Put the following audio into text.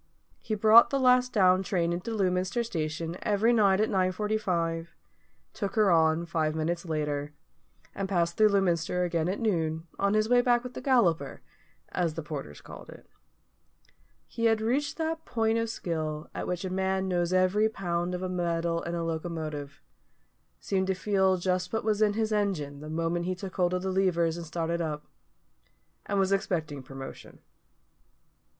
He brought the last down train into Lewminster station every night at 9.45, took her on five minutes later, and passed through Lewminster again at noon, on his way back with the Galloper, as the porters called it. He had reached that point of skill at which a man knows every pound of metal in a locomotive; seemed to feel just what was in his engine the moment he took hold of the levers and started up; and was expecting promotion.